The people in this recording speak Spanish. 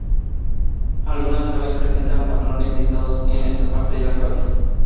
Algunas aves presentan patrones listados en esta parte de la cabeza.